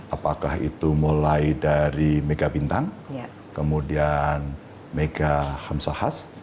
apakah itu mulai dari mega bintang kemudian mega hamsahas